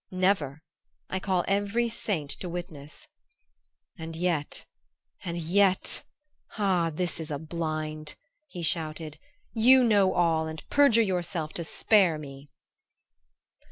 Never. I call every saint to witness!" "And yet and yet ah, this is a blind," he shouted; "you know all and perjure yourself to spare me!"